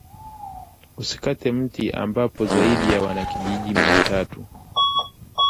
Usikate Mti ambapo zaidi ya wanakijiji mia tatu